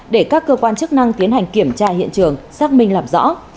để các cơ quan chức năng tiến hành kiểm tra hiện trường xác minh làm rõ